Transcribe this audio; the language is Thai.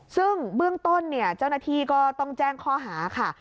ซึ่งเบื้องต้นเนี่ยเจ้าหน้าที่ก็ต้องแจ้งข้อหาค่ะ